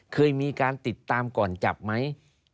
เคยมีการติดตามก่อนจับไหม